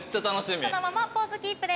そのままポーズキープで。